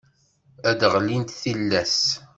Ad d-ɣellint tillas.